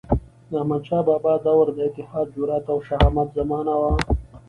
د احمدشاه بابا دور د اتحاد، جرئت او شهامت زمانه وه.